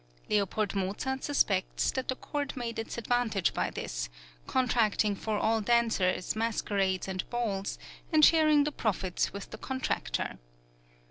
L. Mozart suspects that the court made its advantage by this, contracting for all dances, masquerades, and balls, and sharing the profits with the contractor.